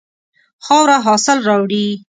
خاوره حاصل راوړي.